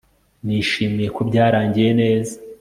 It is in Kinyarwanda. Nishimiye ko byarangiye neza